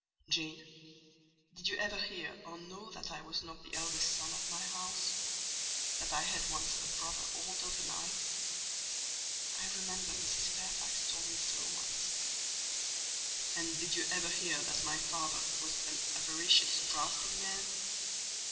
Jane, did you ever hear or know that I was not the eldest son of my house: that I had once a brother older than I?" "I remember Mrs. Fairfax told me so once." "And did you ever hear that my father was an avaricious, grasping man?"